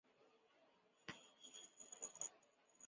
隆庆初年复官。